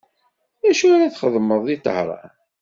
Acu ara txedmeḍ di Tahran?